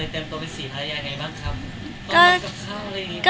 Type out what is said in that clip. ต่อไปจะสีใภย่าย้ายไงบ้างครับ